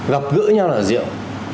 gặp gỡ nhau là rượu